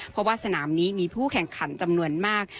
เพราะว่าสนามนี้มีผู้แข่งขันจำนวนมาก